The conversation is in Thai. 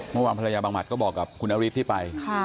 เมื่อวานภรรยาบังหมัดก็บอกกับคุณนฤทธิ์ที่ไป